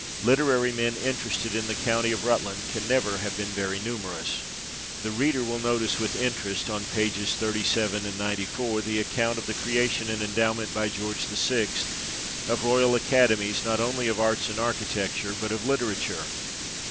Literary men interested in the county of Rutland can never have been very numerous. The reader will notice with interest, on pp. 37 and 94, the account of the creation and endowment, by George VI., of Royal Academies not only of Arts and Architecture, but of Literature.